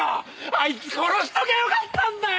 あいつ殺しときゃよかったんだよ！